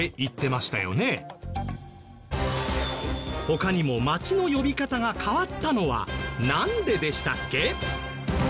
他にも町の呼び方が変わったのはなんででしたっけ？